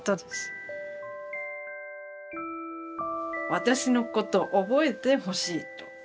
私のこと覚えてほしいと。